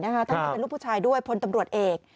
เป็นลูกผู้ชายด้วยพลตำรวจเอก